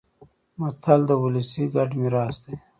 متل د ولس ګډ میراث دی